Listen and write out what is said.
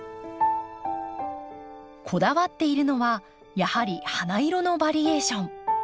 こだわっているのはやはり花色のバリエーション。